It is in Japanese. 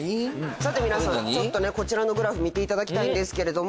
さて皆さんちょっとねこちらのグラフ見ていただきたいんですけれども